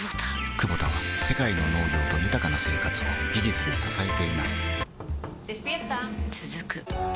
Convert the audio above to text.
クボタは世界の農業と豊かな生活を技術で支えています起きて。